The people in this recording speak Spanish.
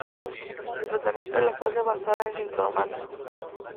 El tratamiento en la fase avanzada es sintomático.